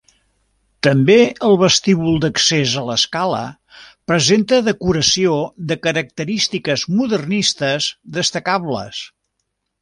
També el vestíbul d'accés a l'escala presenta decoració de característiques modernistes destacables.